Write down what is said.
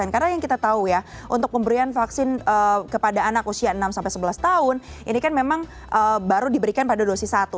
karena yang kita tahu ya untuk pemberian vaksin kepada anak usia enam sebelas tahun ini kan memang baru diberikan pada dosis satu